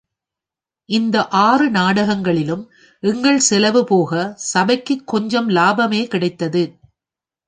இந்த ஆறு நாடகங்களிலும் எங்கள் செலவு போக சபைக்குக் கொஞ்சம் லாபமே கிடைத்தது.